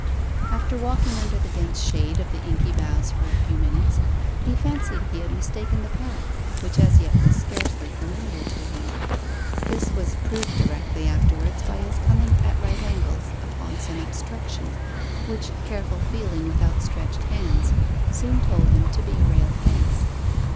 After walking under the dense shade of the inky boughs for a few minutes, he fancied he had mistaken the path, which as yet was scarcely familiar to him. This was proved directly afterwards by his coming at right angles upon some obstruction, which careful feeling with outstretched hands soon told him to be a rail fence.